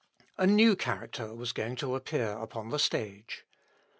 A new character was going to appear upon the stage.